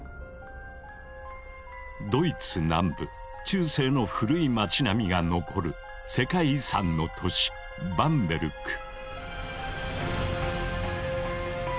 ドイツ南部中世の古い町並みが残る世界遺産の都市バンベルク。